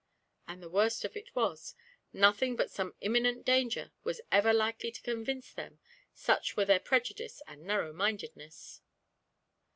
And the worst of it was, nothing but some imminent danger was ever likely to convince them, such were their prejudice and narrow mindedness.